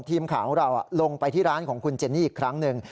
ทีมข่าวของเราลงไปที่ร้านของคุณเจนี่อีกครั้งหนึ่ง